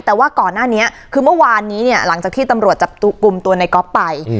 แต่ว่าก่อนหน้านี้คือเมื่อวานนี้เนี่ยหลังจากที่ตำรวจจับกลุ่มตัวในก๊อฟไป